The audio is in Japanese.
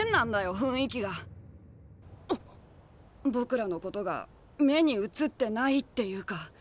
僕らのことが目に映ってないっていうか。